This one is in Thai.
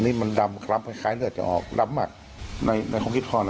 อันนี้มันดำคล้ายจะออกตำมัดในครองคิดพอนะ